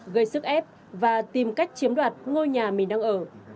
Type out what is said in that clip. gây sức ép và tìm cách chiếm đoạt ngôi nhà mình đang ở